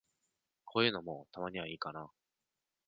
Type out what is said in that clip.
こういうのも、たまにはいいかな。